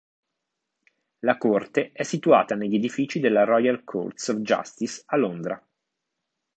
La Corte è situata negli edifici della Royal Courts of Justice a Londra.